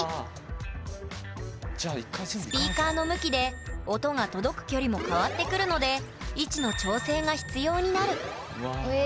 ２スピーカーの向きで音が届く距離も変わってくるので位置の調整が必要になる。